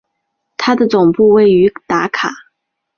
它的总部位于达卡。